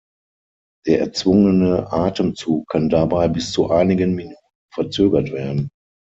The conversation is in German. Der erzwungene Atemzug kann dabei bis zu einigen Minuten verzögert werden.